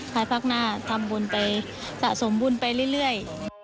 คล้ายภาคหน้าทำบุญไปสะสมบุญไปเรื่อย